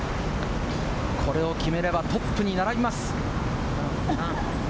これを決めればトップに並びます。